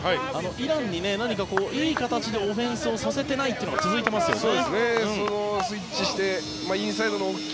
イランに何かいい形でオフェンスをさせていないというのが続いていますよね。